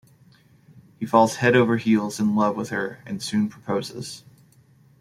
He falls head over heels in love with her and soon proposes.